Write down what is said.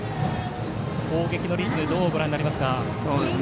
攻撃のリズムどうご覧になりますか？